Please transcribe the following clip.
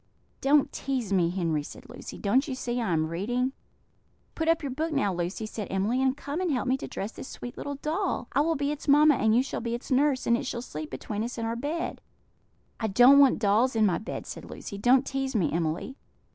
"Don't tease me, Henry," said Lucy; "don't you see I am reading?" "Put up your book now, Lucy," said Emily, "and come and help me to dress this sweet little doll. I will be its mamma, and you shall be its nurse, and it shall sleep between us in our bed." "I don't want dolls in my bed," said Lucy; "don't tease me, Emily."